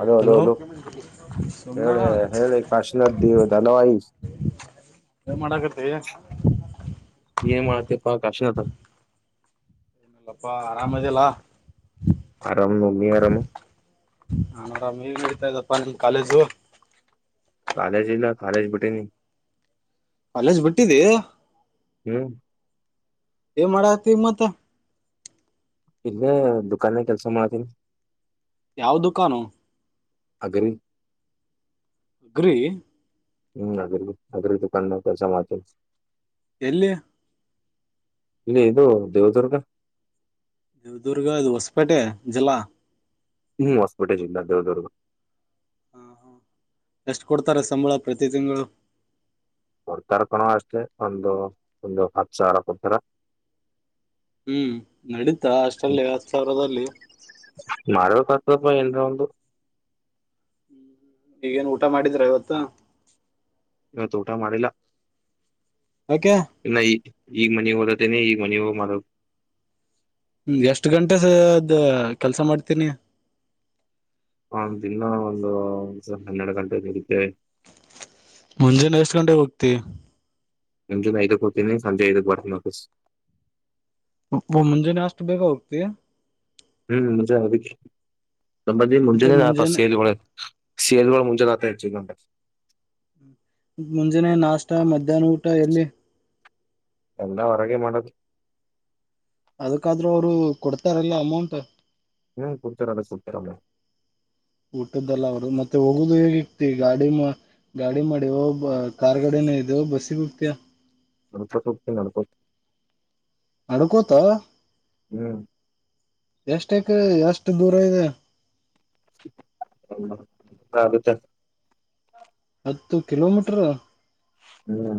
ಅದು ಅದು ಹಲೋ ಅದು ಹೇಳಿ ಸೋಮನಾಥ್ ಹೇಳಿ ಕಾಶಿನಾಥ್ ದೇವ ಧನವಾಯಿ ಏನ್ ಮಾಡಗತ್ತೀ ಈ ಮಾಳತ್ತ ಪಾ ಕಾಶಿನತ ನಲ್ಲಪ್ಪ ಆರಾಮದೆಲ್ಲಾ ಆರಾಮ ನೋ ನೀ ಅರಾಮ ಒಂ ಕಾಲೇಜು ಕಾಲೇಜ ಇಲ್ಲ ಕಾಲೇಜ್ ಬುಟಿ ನೀ ಕಾಲೇಜ್ ಬಿಟ್ಟಿದ್ದಿ. ಹ್ಮ ಏ ಮಾಡತಿ ಮತ್ತ ಇಲ್ಲೇ ದುಕಾನೆಗ ಕೆಲ್ಸ ಮಾಡ್ತೀನಿ. ಯಾವ ದುಕಾನು ಅಗ್ರಿ ಅಗ್ರೀ ಹ್ಮ್ ಅಗರಿ ಅಗ್ರ ದದುಕಾನ ಕೆಲಸ ಮಾಡತೀನಿ. ಎಲ್ಲಿ ಇಲ್ಲಿ ಇದು ದೇವದುರ್ಗ. ದೇವದುರ್ಗ ಇದು ಹೊಸಪೇಟೆ ಜಿಲ್ಲಾ. ಹ್ಮ್ ಹೊಸಪೇಟೆ ಜಿಲ್ಲಾ ದೇವದುರ್ಗ. ಹಾ ಹಾ ಎಷ್ಟ್ ಕೊಡ್ತಾರೆ ಸಂಬಳ ಪ್ರತಿ ತಿಂಗಳು ಕೊಡ್ತಾರೆ ಕಣ ಅಷ್ಟೆ ಒಂದು ಒಂದು ಹತ್ತು ಸಾರ ಕೊಡ್ತಾರ‌. ಹ್ಮ್ ನಡೀತಾ ಅಷ್ಟಲ್ಲೇ ಹತ್ತು ಸಾವಿರದಲ್ಲಿ ಮಾಡಬೇಕಕ್ತಪ್ಪ ಏನ್ ಒಂದು ಈಗೇನ್ ಊಟ ಮಾಡಿದ್ರ ಇವತ್ತ ಇವತ ಊಟ ಮಾಡಿಲ್ಲ. ಯಾಕೆ ನೈಟ್ ಈಗ್ ಮನಿ ಹೋದತ್ತೇನೆ ಈಗ್ ಮನ ಹೋಗ ಮಾತಾಡು ಹ್ಮ ಎಷ್ಟ್ ಗಂಟೆ ಸ ಅದ ಕೆಲ್ಸ ಮಾಡ್ತೀನಿ ಆ ದಿನ್ನಾ ಒಂದು ಒಂದ್ ಹನ್ನೆರಡು ಗಂಟೆ ಹಿಡಿತ್ತೆ ಮುಂಜಾನೆ ಎಷ್ಟು ಗಂಟೆಗೆ ಹೋಗ್ತಿ ಮುಂಜಾನೆ ಐದಕ ಹೊಗ್ತಿನಿ ಸಂಜೆ ಐದಕ್ಬರತಿನಿ ವಾಪಸ್ ಮುಂಜಾನೆ ಅಷ್ಟು ಬೇಗ ಹೋಗ್ತೀ ಹೂಂ ಮುಂಜಾನೆ ಹೋಗಿದ್ದೆ ಮತ್ತೆ ಮುಂಜಾನೆ [unintelligible] ಸೇಲ್ಗಳು ಮುಂಜೆನಾತ ಆಕ್ಚುಲಿ ನಮ್ದ ಮುಂಜಾನೆ ನಾಷ್ಟ ಮಧ್ಯಾಹ್ನ ಊಟ ಎಲ್ಲಿ ಎಲ್ಲ ಹೊರಗೆ ಮಾಡೋದು ಅದಕ್ಕಾದ್ರೂ ಅವರು ಕೊಡ್ತಾರಲ್ಲ ಅಮೌಂಟ್ ಹ್ಮ್ ಕೊಡ್ತಾರೆ ಅದು ಕೊಡ್ತಾರದ ಊಟದ್ದಲ್ಲ ಅವರು ಮತ್ತೆ ಹೋಗುದು ಹೇಗ ಇಗ್ತಿ ಗಾಡಿ ಮ ಗಾಡಿ ಮಾಡೀವೋ ಕಾರ್ ಗಾಡಿನ ಇದಿಯೋ ಬಸ್ಸಿಗೆ ಹೋಗ್ತೀಯ ನಡ್ಕೋತ ಹೋಗ್ತೀನಿ ನಡಕೋತ ನಡುಕೋತ ಹ್ಮ್ ಎಷ್ಟೆಕ್ ಎಷ್ಟ ದೂರ ಇದೆ ಆಗುತ್ತೆ ಹತ್ತು ಕಿಲೋಮೀಟರ್ ಹ್ಮ್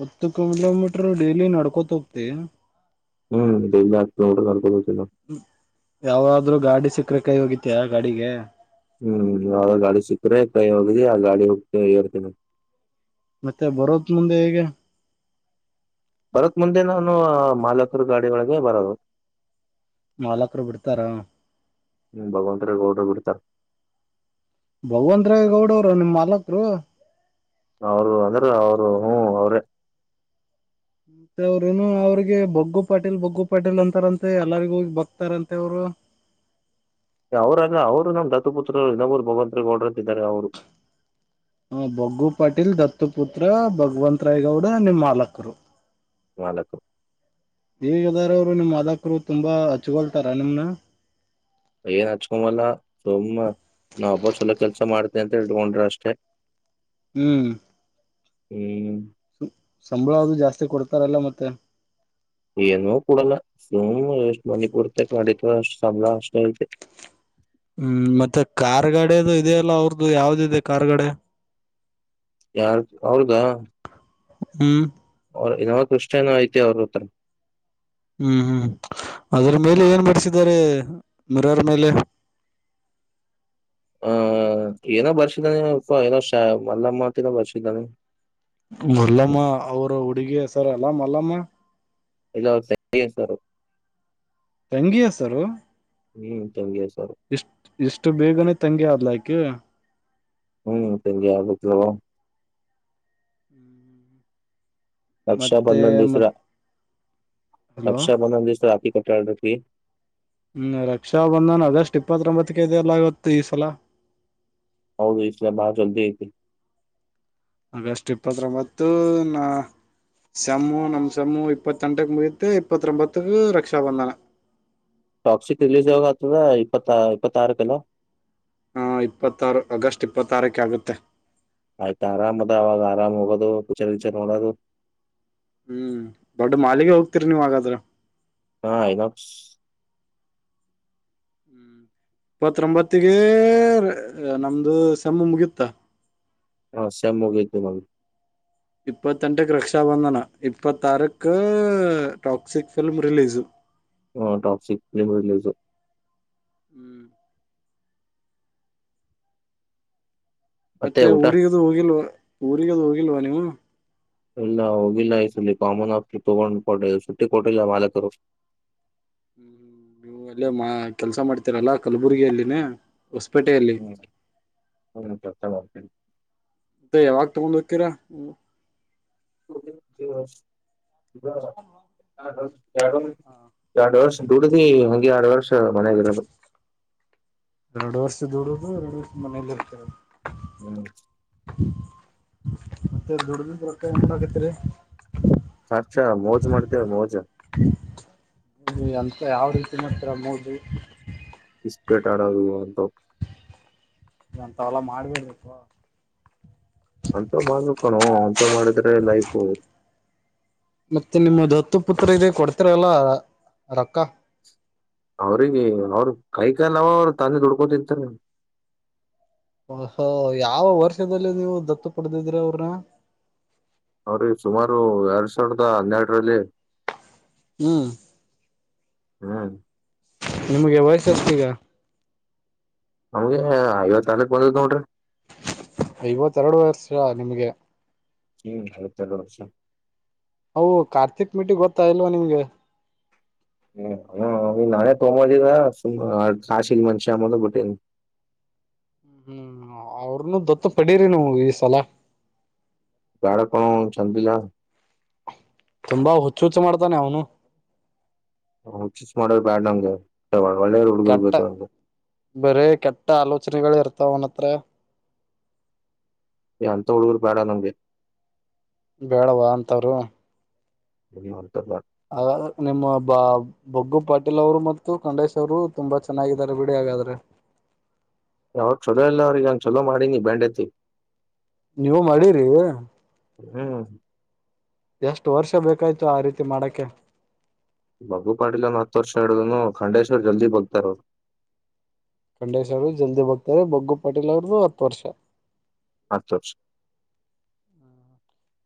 ಹತ್ತು ಕಿಲೋಮೀಟರ್ ಡೈಲಿ ನಡ್ಕೋತ ಹೋಗ್ತಿ? ಹ್ಮಂ ದಿನ್ನಾ ಹತ್ತ ಕಿಲೋಮಿಟರ್ ನಡಕೊಂಡ ಹೋಗ್ತಿನ ನಾ ಯಾವ್ದಾದ್ರು ಗಾಡಿ ಸಿಕ್ಕರೆ ಕೈ ಒಗಿತೀಯ ಗಾಡಿಗೆ ಹ್ಮ್ ಯಾವ ಗಾಡಿ ಸಿಕ್ಕ್ರೆ ಕೈ ಹೋಗ್ದಿ ಆ ಗಾಡಿ ಹೋಗ್ತ ಹೇರ್ತೇನಿ ಮತ್ತೆ ಬರೋಕ್ ಮುಂದೆ ಹೇಗೆ ಬರಕ್ ಮುಂದೆ ನಾನು ಮಾಲಕರು ಗಾಡಿ ಒಳಗೆ ಬರದು ಮಾಲಕ್ರು ಬಿಡ್ತಾರ ಹ್ಮ ಭಗವಂತರ ಗೌಡ್ರು ಬಿಡತಾರ ಭಗವಂತರಾಯ ಗೌಡುರು ಅವರು ನಿಮ್ಮ್ ಮಾಲಕರು ಅವರು ಅಂದ್ರೆ ಅವರು ಹ್ಮ ಅವ್ರೇ ಮತ್ತೆ ಅವ್ರೇನು ಅವ್ರಿಗೆ ಬೊಗ್ಗು ಪಾಟೇಲ್ ಬೊಗ್ಗು ಪಾಟೇಲ್ ಅಂತಾರಂತೆ ಎಲ್ಲರಿಗೋಗಿ ಬಗ್ತಾರಂತೆ ಅವರು ಅವರಲ್ಲ ಅವರು ನಮ್ ದತ್ತು ಪುತ್ರರು ಇನ್ನೊಬ್ಬರು ಭಗವಂತ ಗೌಡ್ರಂತಿದ್ದಾರ ಅವರು ಹ ಬೊಗ್ಗು ಪಾಟೀಲ್ ದತ್ತು ಪುತ್ರ ಭಗವಂತ ರಾಯ್ ಗೌಡ ನಿಮ್ಮ್ ಮಾಲಕರು ಮಾಲಕರು ಹೇಗದಾರ ಅವರು ನಿಮ್ ಮಾಲಕರು ತುಂಬಾ ಹಚ್ಗೊಳ್ತಾರ ನಿಮ್ನ ಏನ್ ಹಚ್ಕೊಮಲ್ಲ ಅಂತ್ಹೇಳಿ ಇಟ್ಕೊಂಡಾರ ಅಷ್ಟೇ ಹ್ಮ್ ಹ್ಮ್ ಸಂಬಳ ಅದು ಜಾಸ್ತಿ ಕೊಡ್ತಾರಲ್ಲ ಮತ್ತೆ ಏನೂ ಕೊಡಲ್ಲ ಸುಮ್ ಎಷ್ಟು ಮನಿಪೂರ್ತಕ ನಡಿತದ ಅಷ್ಟು ಸಂಬಳ ಅಷ್ಟೇ ಐತೆ ಹ್ಮ್ ಮತ್ತೆ ಕಾರ್ಗಾಡೇ ಅದು ಇದೆಯಲ್ಲ ಅವ್ರ್ದು ಯಾವ್ದ ಇದೆ ಕಾರ್ಗಡೆ ಯಾರ್ ಅವ್ರದಾ ಹ್ಮ್ ಅವ್ರ ಏನೋೃಷ್ಟೇನ ಐತಿ ಅವ್ರ ಹತ್ರ ಹ್ಮ್ ಹ್ಮ್ ಅದ್ರ ಮೇಲೆ ಏನ್ ಮಾಡಡಸಿದ್ದಾರೆ ಮರರ್ ಮೇಲೆ ಹ ಏನೋ ಬರ್ಸಿದ್ದಾನೆ ಅಪ್ಪ ಏನೋ ಶ ಮಲ್ಲಮ್ಮತನೋ ಬರ್ಸಿದ್ದಾನೆ ಮಲ್ಲಮ್ಮ ಅವ್ರ ಹುಡುಗಿ ಹೆಸರ ಅಲ್ಲ ಮಲ್ಲಮ್ಮ ಇದು ಅವ್ರ ತಂಗಿ ಹೆಸರು ತಂಗಿ ಹೆಸರು ಹ್ಮ್ ತಂಗಿ ಹೆಸರು ಇಷ್ಟ ಎಷ್ಟು ಬೇಗನೆ ತಂಗಿ ಆ ಲೈಕೆ ಹ್ಮ್ ತಂಗಿಆಗಬೇಕು ರಕ್ಷಾ ಮತ್ತೆ ಬಂಧನ್ ದಿವಸ ಮತ್ ಹಲೋ ರಕ್ಷಾ ಬಂದನ ದಿವ್ಸ ರಾಕಿ ಕಟ್ಟಿ ಕಟ್ಟಿ ಹ್ಮ್ ರಕ್ಷಾ ಬಂಧನ್ ಆಗಸ್ಟ್ ಇಪ್ಪತ್ರೊಂಬತ್ತಕ್ಕೆ ಇದಿಯಲ್ಲ ಈ ಸಲ ಹೌದು ಈಸಲ ಬಾಳ ಜುಲ್ದಿ ಐತಿ ಆಗಸ್ಟ್ ಇಪ್ಪತ್ತೊಂಬತ್ತು ಸಮ್ಮು ನಮ್ಮ ಸಮ್ಮು ಇಪ್ಪತ್ತೆಂಟುಕ ಮುಗುತ್ತೆ ಇಪ್ಪತ್ತೊಂಬತ್ತಕ್ಕ ರಕ್ಷಾಬಂಧನ ಟಾಕ್ಸಿಕ್ ರಿಲೀಸ್ ಯಾವಾಗ ಆತದ ಇಪ್ಪತ್ತ ಇಪ್ಪತ್ತಾರಕೇನ ಹಾ ಇಪ್ಪತ್ತಾರು ಆಗಸ್ಟ್ ಇಪ್ಪತ್ತಾರಕ್ಕೆ ಆಗುತ್ತೆ ಆಯ್ತಾ ಆರಾಮ್ ಅದ ಅವಾಗ ಆರಾಮ್ ಹೋಗೋದು ಪಿಕ್ಚರ್ ಗಿಚರ್ ನೋಡೋದು ಹ್ಮ್ ದೊಡ್ ಮಾಲಿಗೆ ಹೋಗ್ತಿರಿ ನೀವ್ ಹಾಗಾದ್ರ ಹಾ ಇಪ್ಪತ್ರೊಂಬತ್ತಗ ನಮ್ದು ಸಮ್ಮು ಮುಗಿಯುತ್ತ ಹಾ ಸಸೇಮ್ ಮುಗಿಯುತ್ತೆ ನಮ್ದು ಇಪ್ಪತ್ತೆಂಟಕ್ಕೆ ರಕ್ಷಾಬಂಧನ ಇಪ್ಪತ್ತಾರಕ್ ಟಾಕ್ಸಿಕ್ ಫಿಲ್ಮ್ ರಿಲೀಸ ಹ ಟಾಕ್ಸಿಕ್ ಫಿಲಂ ರಿಲೀಸ್ ಹ್ಮ್ ಮತ್ತೆ ಊರಿಗ್ದು ಹೋಗಿಲ್ವ ಊರಿಗೆ ಹೋಗಿಲ್ವಾ ನೀವು ಇಲ್ಲ ಹೋಗಿಲ್ಲ ಈ ಸಲಿ ಕಾಮನ್ ಆಪ್ ತಗೊಂಡ್ಕ ಸುಟ್ಟಿ ಕೊಟ್ಟಿಲ್ಲ ಮಾಲಕರು ಹ್ಮ್ ನೀವು ಅಲ್ಲೇ ಮಾ ಕೆಲ್ಸ ಮಾಡ್ತೀರಲ್ಲಾ ಕಲಬುರ್ಗಿ ಅಲ್ಲಿನೇ ಹ್ಮ್ ಹ್ಮ ಹೊಸಪೇಟೆ ಅತ್ತ ಯಾವಾಗ ತಗೊಂಡ್ ಹೋಗತೀರ [unintelligible] ಹ ಎರಡ ವರ್ಷ ದುಡದಿ ಹಂಗೆ ಒಂದೆರಡು ವರ್ಷ ಮನೆಗೆ ಇರದು ಎರಡು ವರ್ಷ ದೂರದು ಎರಡು ವರ್ಷ ಮನೆಯೆಯಲ್ಲಿ ಇರ್ತೀರ ಹ್ಮ್ ಮತ್ತೆ ದುಡದರೋಕ್ಕ ಎಲ್ಲಾ ಏನ್ ಮಾಡಾಕತ್ತಿರಿ ಮಜಾ ಮೋಜು ಮಾಡ್ತೀವಿ ಮೋಜು ಮಜಾ ಮೋಜು ಇಸ್ಪೀಟ್ ಆಡೋದು ಅಂತವು ಅಂತವೆಲ್ಲಾ ಮಾಡ ಬೇಡ್ರಪ್ಪ ಅಂತ ಮಾಡ್ಬೇಕ ಕಣೋ ಅಂತ ಮಾಡಿದ್ರೆ ಲೈಫು. ಪುತ್ತ ಪುತ್ರರು ಇ ಕೊಡ್ತಿರಲ್ಲ ರೊಕ್ಕ ಅವ್ರಿಗೆ ಅವ್ರ ಕೈಕ ನಾವ ಅವ್ರರು ತಂದದುಡ್ಕೋ ತಿಂತಾರೆ ಹ ಯಾವ ವರ್ಷದಲ್ಲಿ ನೀವು ದತ್ತು ಪಡೆದಿದೀರ ಅವ್ರ ಅವ್ರಿಗೆ ಸುಮಾರು ಎರಡ್ ಸಾವಿರದ ಹನ್ನೆರಡರಲ್ಲಿ ಹ್ಮ್ ಹ್ಮ್ ನಿಮ್ಗೆ ವಯಸಷ್ಟ ಈಗ ನಮ್ಗೆ ಐವತ್ ತಾಕ ಬಂದದ ನೋಡ್ರಿ ಐವತ್ತೆರಡು ವರ್ಷ ನಿಮ್ಗೆ ಹ್ಮ ಭತ ಬಸ ಹ ಕಾರ್ತಿಕ್ ಮೀಟ್ಟಿಗೆ ಗೊತ್ತಾ ಇಲ್ವಾ ನಿಮ್ಮಗೆ. ಹ್ಮ ಹ ನಾನೆ ತಮ್ಮ ಕಶ ಮಷೆ ಗಟ್ಟೆ ಹ್ಮ್ ಹ್ಮ್ ಅವ್ರನು ದತ್ತ ಪಡೀರಿ ನೀ ಈ ಸಲ ಬೇಡಪ್ಪ ಅವು ಚಂದಿಲ್ಲ ತುಂಬಾ ಹುಚ್ಚ ಹುಚ್ಚು ಮಾಡ್ತಾನೆ ಅವನು. ಹ ಚಿಸ್ ಮಾಡರ್ ಬ್ಯಾಡ ನಂಗೆ ಕೆಟ್ಟ ಬರೇ ಕೆಟ್ಟ ಆಲೋಚನೆಗಳ ಇರ್ತ ಅವನತ್ರ ಏ ಅಂತ ಹುಡುಗರ ಬೇಡ ನಮ್ಗೆ ಬೇಡವಾ ಅಂತವರು ನಿ ಒಂತಲ್ಲ ಹಾಗ ನಿಮ್ಮ ಬಾ ಬೊಗ್ಗು ಪಾಟೀಲ್ ಅವರು ಮತ್ತು ಖಂಡೇಶ್ ಅವರು ತುಂಬಾ ಚೆನ್ನಾಗಿದ್ದಾರೆ ಬಿಡಿ, ಹಾಗಾದ್ರೆ ಯಾವ್ರ ಚೊಲೋ ಇಲ್ಲ ಅವ್ರಿಗೆ ನಾನ ಚೊಲೋ ಮಾಡಿನಿ ಬ್ಯಾಂಡೆತಿ ನೀವು ಮಾಡಿರಿ ಹ್ಮ್ ಎಷ್ಟು ವರ್ಷ ಬೇಕಾಯ್ತು ಆ ರೀತಿ ಮಾಡಕ ಬಬು ಪಾಟೀಲನ್ ಹತ್ತು ವರ್ಷ ಹಡ್ದನು ಖಂಡೇಶ್ವರ್ ಜಲ್ದಿ ಬೋಗತಾರ ಅವರು ಖಂಡೇಶ್ ಅವರು ಜಲ್ದಿ ಬಕ್ತಾರೆ ಬಗ್ಗು ಪಾಟೀಲ್ ಅವ್ರ್ದು ಹತ್ ವರ್ಷ ಆತ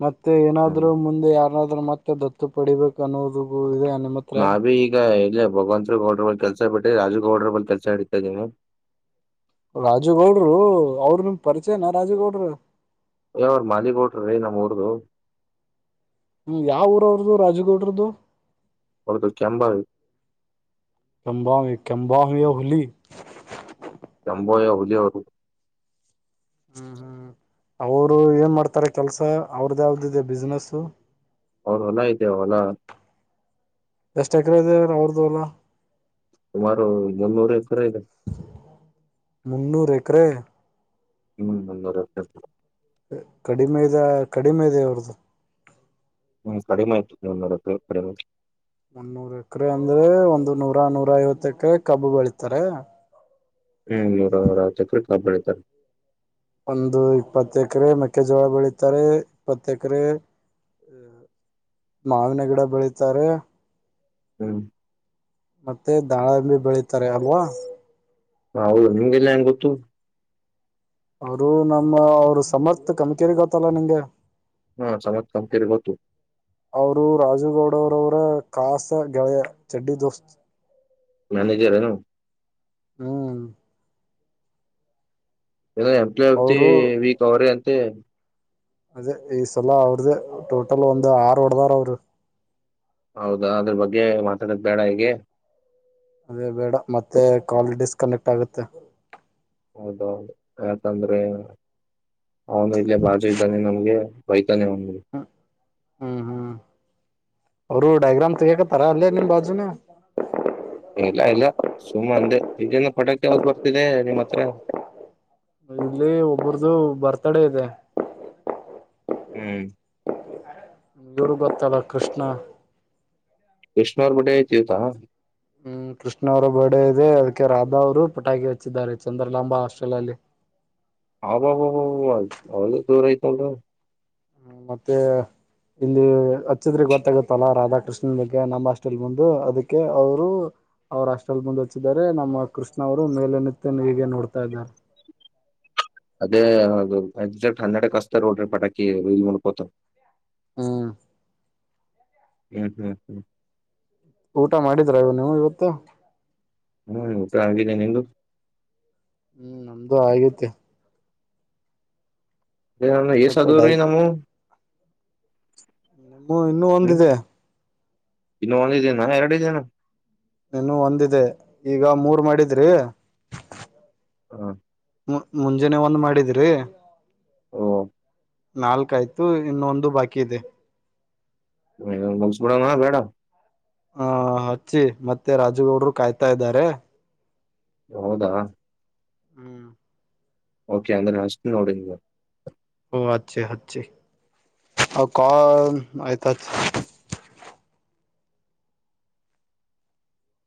ಮತ್ತೆ ಏನಾದ್ರು ಮುಂದೆ ಯಾರನಾದ್ರು ಮತ್ತ ದತ್ತು ಪಡಿಬೇಕು ಅನ್ನುವುದು ಇದೆ. ನಿಮ್ಮ ಹತ್ರ ನಾ ಭಿ ಈಗ ಇಲ್ಲ ಭಗವಂತ ಗೌಡ್ರ ಬ ಕೆಲಸ ಬಿರಿ ರಾಜುಗೌಡ್ರ ಬಲ್ ಕೆಲ್ಸ ಹಿಡತಾ ಇದೀನಿ. ರಾಜುಗೌಡರು ಅವರು ನಿಮ ಪರಿಚಯನ ರಾಜುಗೌಡರು ಯ ಅವ್ರ ಮಲಿಗ್ ಟ್ರೀ ನಮಮ್ಮ ಊರ್ದು ಹ್ಮ್ ಯಾವ ಊರವ್ರದದು ರಾಜಗೌಡ್ರದದು. ಹೊರದು ಕೆಯಾಮಂಬಾವ ಕೆಂಬ ಕೆಂಬಾ ಹ ಹೊಲ ಎಂಬೋಯಾ ಹುಲಿಯರು ಹ್ಮ್ ಹ್ಮ್ ಅವರು ಏನ್ ಮಾಡ್ತಾರೆ ಕೆಲ್ಸ ಅವ್ರ್ದ ಯಾವ್ದದೆ ಬಿಸ್ನೆಸು ಅವ ಹೊಲ ಇದೆ ಹೊಲ ಎಷ್ಟ ಎಕರೆ ಇದೇವ್ರ ಅವ್ರದು ಅಲ್ಲ. ಸುಮಾರು ಇನ್ನೂರ ಐತರ ಇದೆ. ಮುನ್ನೂರು ಎಕರೆ ಇನ್ ಮರತ ಕಡಿಮೆ ಇದೆ ಕಡಿಮೆ ಇದೆ ಅವ್ರ್ದು ಹ್ಮ್ ಕಡಿಮೆ ಆತನ್ನೋಡ ಕಡಿ [unintelligible] [inaudible] ಹ್ಮ ನೂರರ ಆ ಚಕ್ರ ಕಬ್ಬಳ ಸರಿ [inaudible] ಒಂದು ಇಪ್ಪತ್ತ ಎಕರೆ ಮೆಕ್ಕೆಜೋಳ ಬೆಳಿತಾರೆ ಇಪ್ಪತ್ತ ಎಕರೆ ಅ ಮಾವಿನ ಗಿಡ ಬೆಳಿತಾರೆ ಹ ಮತ್ತೆ ದಾಳಂಬಿ ಬೆಳಿತಾರೆ ಅಲ್ವಾ ಹ ಹೌದು ನಿಮ್ಗೆಲ್ಲ ಹೆಂಗಗೆ ಗೊತ್ತು ಅವರು ನಮ್ಮ ಅವರು ಸಮರ್ಥ ಕಮಿಕೇರಿ ಗೊತ್ತಲ್ಲ ನಿಂಗೆ ಹಾ ಸಮತ್ ಕಂಕರಿತ ಗೊತ್ತು ದಡವರವರ ಕಾಸ ಗೆಳೆಯ ಚಡ್ಡಿ ದೋಸ್ತ್ ಮ್ಯನೆೇಜರ್ ನು ಹ್ಮ್ ೋ ಎಂಪ್ಲೈ ಅತಿ ಅವರು ವೀಕ್ ಅವ್ರೆ ಅಂತೆ ಅದೇ ಈ ಸಲ ಅವ್ರ್ದ ಟೋಟಲ್ ಒಂದು್ ಆರು ಹೊಡದಾರ ಅವರು ಹೌದಾ ಅದ್ರ ಬಗ್ಗೆ ಮಾತಾಡೋದ ಬೇಡ ಹೀಗೆ ಅದೇ ಬೇಡ ಮತ್ತೆ ಕಾಲ್ ಡಿಸ್ಕನೆಕ್ಟ್ ಆಗುತ್ತೆ ಹೌದೌದು ಯಾಕಂದ್ರೆ ಅವನು ಇಲ್ಲೇ ಬಾಜು ಇದ್ದಾನೆ ನಮ್ಗೆ ಧನ್ಯವಾದ ಹ್ಮ್ ಹ್ಮ್ ಅವರು ಡೈಾಗ್ರಾಮ್ ಗತರ ಅಲ್ಲೇ ನಿಮ್ಮ ಬಾಜುನ [inaudible] ಇಲ್ಲ ಇಲ್ಲ ಸುಮ್ಮ ಅಂದೆ ಈಲ್ಲಿಂದ ಪಟೋಕ್ ಯಾವ ಬರ್ತಿದೆ ನಿಮ್ಮ ಹತ್ರ ಇಲ್ಲಿ ಒಬ್ಬರದು ಬರ್ತ್ಡೇ ಇದೆ ಹ್ಮ್ ಯೂರು ಗೊತ್ತಳ ಕೃಷ್ಣ ಕೃಷ್ಣನ ಅವರ್ ಮ ಐತಿತಾ ಹ್ಮ್ ಕೃಷ್ಣ ಅವರ ಬರ್ಡೇ ಇದೆ ಅದಕ್ಕೆ ರಾಧಾ ಅವರು ಪಟಾಕಿ ಹಚ್ಚಿದ್ದಾರೆ ಚಂದ್ರಲಾಂಬಾ ಹಾಸ್ಟೆಲ್ ಅಲ್ಲಿ ಹಬಬಬಬ ಅವಲ್ಲ ದೋರ ಐ್ತಲ್ರ ಹ್ಮ ಮತ್ತೆ ಇಲ್ಲಿ ಹಚ್ಚಿದಗ್ ಗೊತ್ತಾಗುತ್ತಲ್ಲ ರಾಧಾಕೃಷ್ಣನ್ ಬಗ್ಗೆ ನಮ್ಮ ಹಾಸ್ಟೆಲ್ ಮುಂದು ಅದಕ್ಕೆ ಅವರು ಅವ್ರ ಹಾಸ್ಟೆಲ್ ಮುಂದ ಹಚ್ಚಿದಿದ್ದಾರೆ ನಮ್ಮ ಕೃಷ್ಣ ಅವರು ಮೇಲೆ ನಿತ್ತ ಹೀಗೆ ನೋಡ್ತಾ ಇದ್ದಾರೆ ಅದೇ ಅದು ಎಕ್ಸಾಕ್ಟ್ ಹನ್ನೆಡ ಕಸ್ತರ್ ನೋಡ್ರಿ ಪಟಾಕಿ ಇಲ್ ಮುಡ್ಕೋತ ಹ [inaudible] ಹ್ಮ್ ಹ್ಮ್ ಹ್ಮ್ ಊಟ ಮಾಡಿದ್ರ ಇ ನೀವು ಇವತ್ತು ಹ್ಮ್ ಉಊತ್ತರ ಆಗಿದ್ದೇನೆ ನಿುಮ್ದು ಹ್ಮ್ ನಮ್ದು ಆಗೈತಿ ಏ್ ಆಯ್ತ ಡೈ ಸದ್ರೀ ನಮವು [inaudible] ಇನ್ನುೂ ಒಂದಿದೆ ಇನ್ನ ಒಂದ ಇದೇನಾ ಎರಡ ಜೇನಾ ಇನ್ನು ಒಂದಿದೆ ಈಗ ಮೂರ್ ಮಾಡಿದ್ರಿ. ಹ್ಮ ಮುಂಜಾನೆ ಒಂದ್ ಮಾಡಿದ್ರಿ. ಹ್ಮ ನಾಲ್ಕ ಆಯ್ತು ಇನ್ನೊಂದು ಬಾಕಿ ಇದೆ. ಇದೊಂದ ಮುಗ್ಸಬಿಡೋಣ ಬೇಡ. ಹಾ ಹಚ್ಚಿ ಮತ್ತೆ ರಾಜುಗೌಡರು ಕಾಯ್ತಾ ಇದ್ದಾರೆ. ಹೌದಾ ಹ್ಮ್ ಓಕೆ ಅಂದ್ರ ಹಸ್ತಿನೋಡ ಈಗ. ಹಓ ಹಚ್ಚಿ ಹಚ್ಚಿ ಅ ಕಾಲ ಆಯ್ತ ಹಚ್ಚಿ.